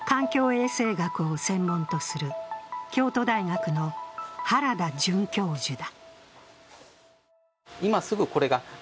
衛生学を専門とする京都大学の原田准教授だ。